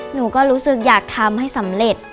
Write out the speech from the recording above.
หนูก็รู้สึกอยากทำให้สำเร็จ